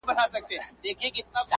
• قاسم یار که ستا په سونډو مستانه سوم,